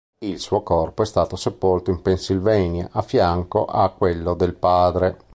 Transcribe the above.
Il suo corpo è stato sepolto in Pennsylvania, a fianco a quello del padre.